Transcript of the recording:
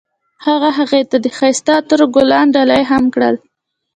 هغه هغې ته د ښایسته عطر ګلان ډالۍ هم کړل.